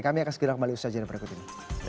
kami akan segera kembali ke sejenis berikut ini